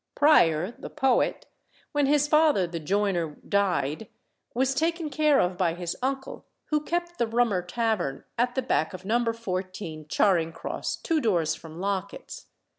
Prior, the poet, when his father the joiner died, was taken care of by his uncle, who kept the Rummer Tavern at the back of No. 14 Charing Cross, two doors from Locket's.